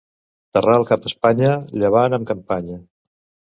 Terral cap a Espanya, llevant en campanya.